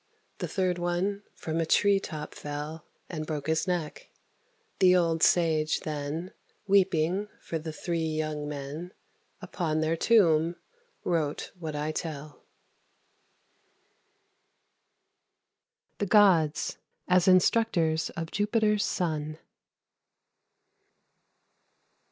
The third one from a tree top fell, And broke his neck. The Old Sage, then, Weeping for the three Young Men, Upon their tomb wrote what I tell. FABLE CCVIII. THE GODS AS INSTRUCTORS OF JUPITER'S SON.